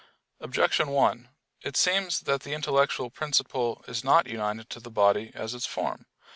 Objection 1: It seems that the intellectual principle is not united to the body as its form.